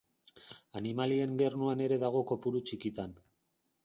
Animalien gernuan ere dago kopuru txikitan.